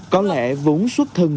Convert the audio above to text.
có lẽ vốn xuất thân